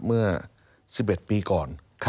เมื่อ๑๑ปีก่อน